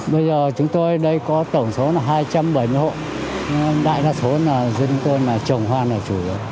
bây giờ chúng tôi đây có tổng số hai trăm bảy mươi hộ đại đa số là dân tôn trồng hoa là chủ yếu